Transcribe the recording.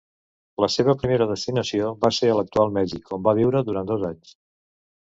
La seva primera destinació va ser a l'actual Mèxic, on va viure durant dos anys.